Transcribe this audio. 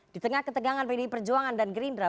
di tengah ketegangan pdi perjuangan dan gerindra